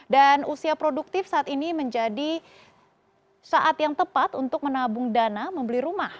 dan usia produktif saat ini menjadi saat yang tepat untuk menabung dana membeli rumah